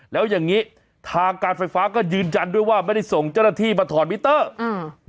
แล้วอย่างงี้ทางการไฟฟ้าก็ยืนยันด้วยว่าไม่ได้ส่งเจ้าหน้าที่มาถอดมิเตอร์อืม